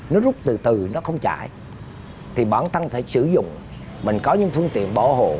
nó rút từ từ nó không chảy thì bản thân phải sử dụng mình có những phương tiện bỏ hồ